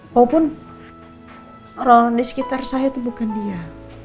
maupun orang orang di sekitar saya itu bukan dia